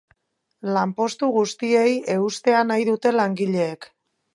Lanpostu guztiei eustea nahi dute langileek.